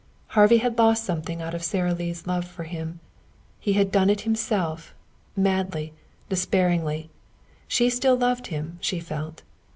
Harvey had lost something out of Sara Lee's love for him. He had done it himself, madly, despairingly. She still loved him, she felt.